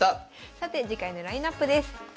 さて次回のラインナップです。